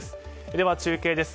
では中継です。